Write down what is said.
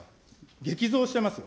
激増しています。